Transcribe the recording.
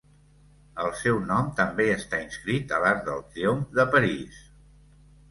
El seu nom també està inscrit a l'Arc de Triomf de París.